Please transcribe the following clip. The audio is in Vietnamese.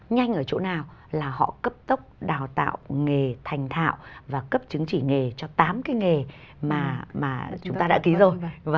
nhanh ở chỗ nào là họ cấp tốc đào tạo nghề thành thạo và cấp chứng chỉ nghề cho tám cái nghề mà chúng ta đã ký rồi